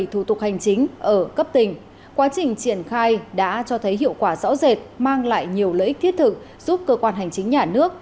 hành trình triển khai đã cho thấy hiệu quả rõ rệt mang lại nhiều lợi ích thiết thực giúp cơ quan hành chính nhà nước